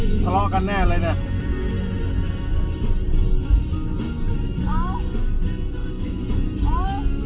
นี่อะไรเนี่ยสล้อกันแน่เลยเนี่ย